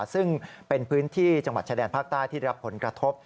ซึ่งเป็นพื้นที่จังหวัดชายแดนภาคใต้ที่รับผลกระทบ